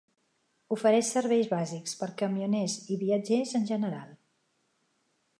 Ofereix serveis bàsics per camioners i viatgers en general.